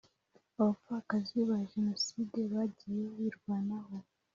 Abapfakazi ba jenoside bagiye birwanaho.